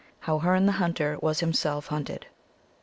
X. How Herne the Hunter was himself hunted.